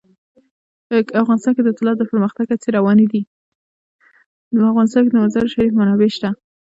په افغانستان کې د مزارشریف منابع شته.